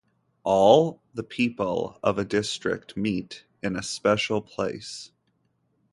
All the people of a district meet in a special place.